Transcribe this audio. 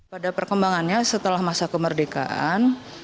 pada perkembangannya setelah masa kemerdekaan